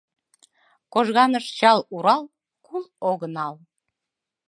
Кожганыш чал Урал: «Кул огынал!»